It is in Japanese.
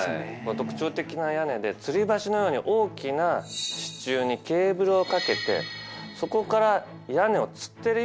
特徴的な屋根でつり橋のように大きな支柱にケーブルをかけてそこから屋根をつってるような状態ですね。